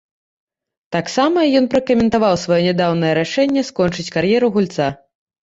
Таксама ён пракаментаваў сваё нядаўняе рашэнне скончыць кар'еру гульца.